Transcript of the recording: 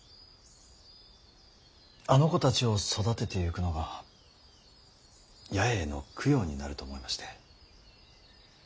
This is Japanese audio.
あの子たちを育てていくのが八重への供養になると思いまして。